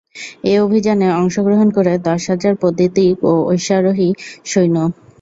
এ অভিযানে অংশগ্রহণ করে দশ হাজার পদাতিক ও অশ্বারোহী সৈন্য।